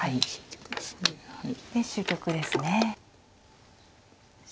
で終局ですね。